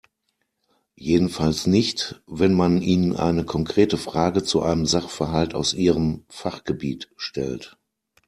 Jedenfalls nicht, wenn man ihnen eine konkrete Frage zu einem Sachverhalt aus ihrem Fachgebiet stellt.